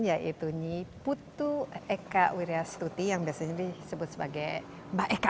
yaitu putu eka wira stuti yang biasanya disebut sebagai mbak eka